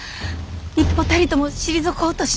一歩たりとも退こうとしない。